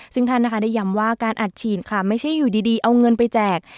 ซึ่งท่านนะคะได้ย้ำว่าการอัดฉีดค่ะไม่ใช่อยู่ดีเอาเงินไปแจก